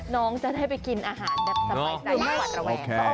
น้องจะได้ไปกินอาหารแบบสบายใจ